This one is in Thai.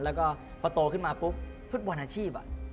แล้วก็พอโตขึ้นมาปุ๊บฟุตบอลอาชีพ